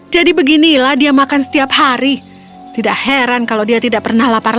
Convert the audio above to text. jadi beginilah dia makan setiap hari tidak heran kalau dia tidak pernah lapar lagi